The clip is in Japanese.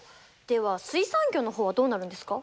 では水産業のほうはどうなるんですか？